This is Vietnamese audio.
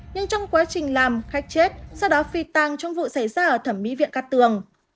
nhưng trong quá trình làm khách chết sau đó phi tàng trong vụ xảy ra ở thẩm mỹ viện cát tường